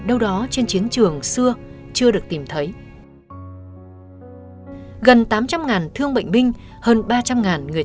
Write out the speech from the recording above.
đâu đó trên chiến trường xưa chưa được tìm thấy gần tám trăm linh thương bệnh binh hơn ba trăm linh người